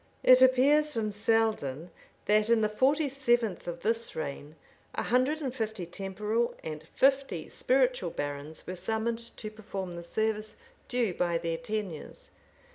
It appears from Selden, that in the forty seventh of this reign, a hundred and fifty temporal and fifty spiritual barons were summoned to perform the service, due by their tenures.